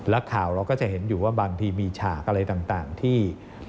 และข่าวเราก็จะเห็นอยู่ว่าบางทีมีฉากอะไรต่างที่